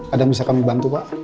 ada yang bisa kami bantu pak